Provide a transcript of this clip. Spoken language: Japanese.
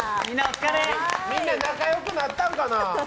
みんな仲良くなったんかな。